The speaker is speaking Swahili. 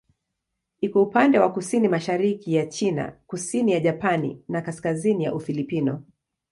Iko upande wa kusini-mashariki ya China, kusini ya Japani na kaskazini ya Ufilipino.